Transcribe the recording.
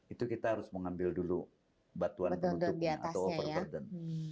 itu kita harus mengambil dulu batuan penutupnya atau overburden